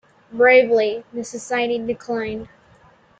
Bravely, the society declined.